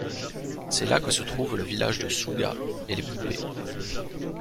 C'est la que se trouvent le village de sooga et les poupées.